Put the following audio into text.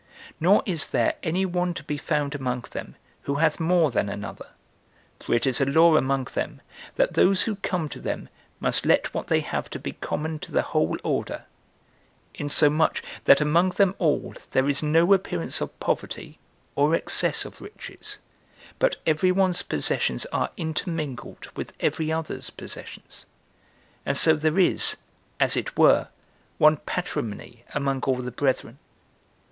Nor is there any one to be found among them who hath more than another; for it is a law among them, that those who come to them must let what they have be common to the whole order, insomuch that among them all there is no appearance of poverty, or excess of riches, but every one's possessions are intermingled with every other's possessions; and so there is, as it were, one patrimony among all the brethren.